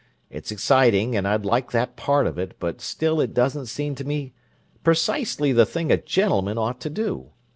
It's exciting, and I'd like that part of it, but still it doesn't seem to me precisely the thing a gentleman ought to do.